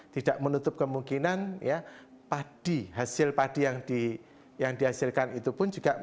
tidak menutup kemungkinan ya padi hasil padi yang dihasilkan itu pun juga